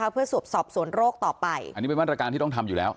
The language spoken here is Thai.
เพื่อสอบสวนโรคต่อไปอันนี้เป็นมาตรการที่ต้องทำอยู่แล้ว